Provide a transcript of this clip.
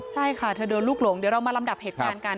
ใช่ค่ะเธอโดนลูกหลงเดี๋ยวเรามาลำดับเหตุการณ์กัน